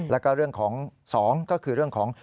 แล้วก็เรื่องของ๒ก็คือเรื่องของ